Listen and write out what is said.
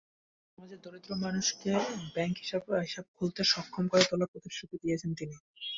সমাজের দরিদ্র মানুষকে ব্যাংক হিসাব খুলতে সক্ষম করে তোলারও প্রতিশ্রুতি দিয়েছেন তিনি।